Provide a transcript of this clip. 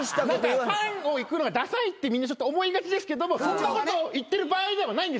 ファンをいくのはダサいってみんな思いがちですけどもそんなことを言ってる場合ではないんです。